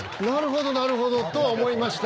なるほどと思いました。